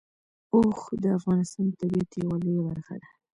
اوښ د افغانستان د طبیعت یوه لویه برخه ده.